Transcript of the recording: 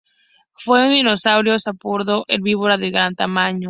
Fue un dinosaurio saurópodo herbívoro de gran tamaño.